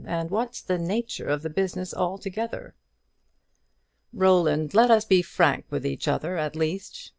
and what's the nature of the business altogether?" "Roland, let us be frank with each other, at least.